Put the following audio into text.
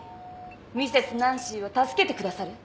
ミセスナンシーを助けてくださる？